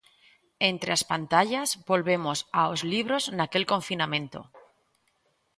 Entre as pantallas volvemos aos libros naquel confinamento?